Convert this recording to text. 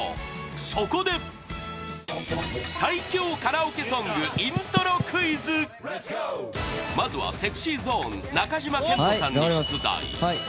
そこでまずはＳｅｘｙＺｏｎｅ中島健人さんに出題